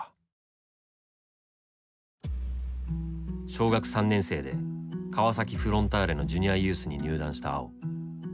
小学３年生で川崎フロンターレのジュニアユースに入団した碧。